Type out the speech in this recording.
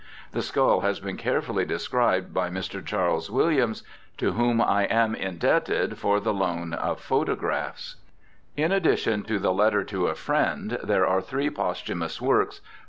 The skull has been carefully described by Mr. Charles Williams, to whom I am indebted for the loan of photographs. In addition to the Letter to a Friend^ there are three posthumous works.